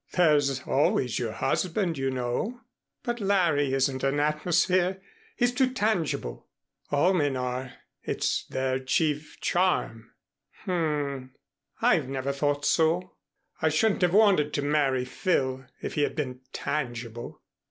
"There's always your husband, you know." "But Larry isn't an atmosphere. He's too tangible." "All men are. It's their chief charm." "H m. I've never thought so. I shouldn't have wanted to marry Phil if he had been tangible."